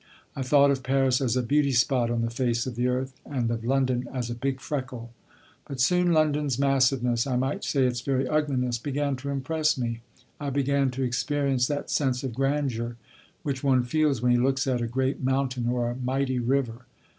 I thought of Paris as a beauty spot on the face of the earth, and of London as a big freckle. But soon London's massiveness, I might say its very ugliness, began to impress me. I began to experience that sense of grandeur which one feels when he looks at a great mountain or a mighty river.